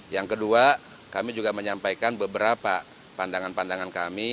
yang kedua kami juga menyampaikan beberapa pandangan pandangan kami